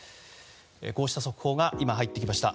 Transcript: こうした速報が今、入ってきました。